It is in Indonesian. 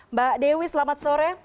mbak dewi selamat sore